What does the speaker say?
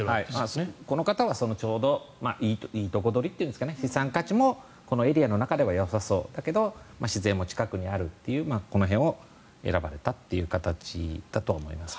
この方はちょうどいいとこ取りというか資産価値もこのエリアの中ではよさそうだけど自然も近くにあるというこの辺を選ばれたという形だと思います。